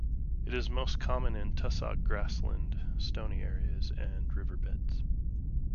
It is most common in tussock grassland, stony areas and river beds.